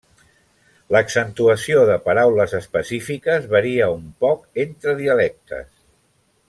L'accentuació de paraules específiques varia un poc entre dialectes.